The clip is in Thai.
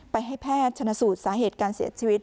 ให้แพทย์ชนสูตรสาเหตุการเสียชีวิต